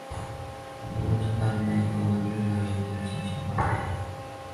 一楼圆形大厅的内部装潢主要为铸铁造成的圆顶及绘于墙上的八幅壁画。